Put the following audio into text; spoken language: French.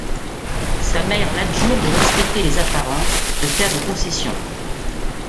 Sa mère l'adjure de respecter les apparences, de faire des concessions.